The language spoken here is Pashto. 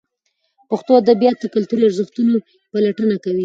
پښتو ادبیات د کلتوري ارزښتونو پلټونه کوي.